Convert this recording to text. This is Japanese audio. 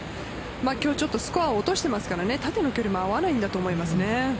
今日、ちょっとスコアを落としていますから縦の距離も合わないんだと思います。